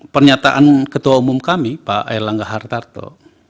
pernyataan ketua umum kami pak erlangga hartarto